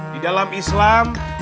di dalam islam